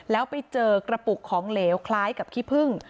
แล้วไปเจอกระปุกของเหลวคล้ายกับขี้พึ่ง